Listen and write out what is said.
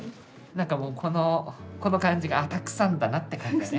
なんかもうこのこの感じがたくさんだなって感じだね。